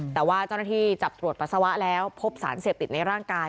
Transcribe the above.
แต่ว่าเจ้าหน้าที่จับตรวจปัสสาวะแล้วพบสารเสพติดในร่างกาย